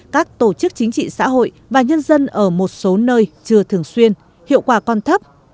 các tổ chức chính trị xã hội và nhân dân ở một số nơi chưa thường xuyên hiệu quả còn thấp